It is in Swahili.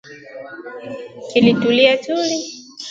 Kilitulia tuli